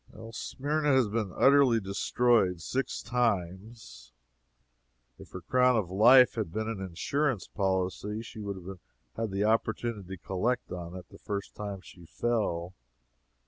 Smyrna has been utterly destroyed six times. If her crown of life had been an insurance policy, she would have had an opportunity to collect on it the first time she fell.